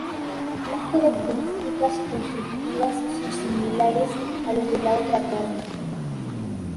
Las características constructivas son similares a los de la otra torre.